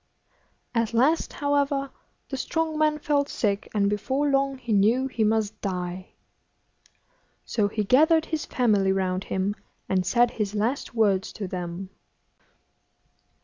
At last, however, the strong man felt sick, and before long he knew he must die. So he gathered his family round him, and said his last words to them.